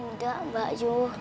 nggak mbak yuk